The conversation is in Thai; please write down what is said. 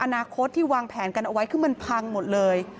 อนาคตที่วางแผนกันเอาไว้คือมันพังหมดเลย